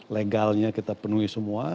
legalnya kita penuhi semua